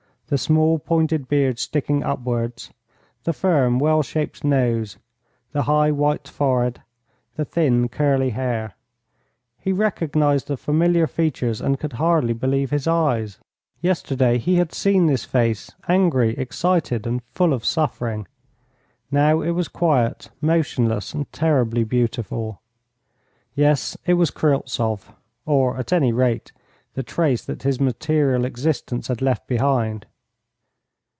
The small, pointed beard sticking upwards, the firm, well shaped nose, the high, white forehead, the thin, curly hair; he recognised the familiar features and could hardly believe his eyes. Yesterday he had seen this face, angry, excited, and full of suffering; now it was quiet, motionless, and terribly beautiful. Yes, it was Kryltzoff, or at any rate the trace that his material existence had left behind.